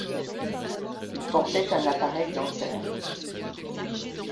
Il portait un appareil dentaire.